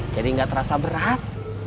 jadi nggak terasa berat